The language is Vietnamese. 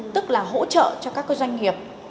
tức là hỗ trợ cho các doanh nghiệp